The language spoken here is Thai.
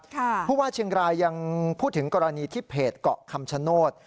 ผู้ว่าเชียงรายยังพูดถึงกรณีที่เพจเกาะคำชโนธ